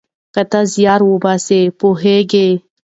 که ته زیار وباسې پوهیږې.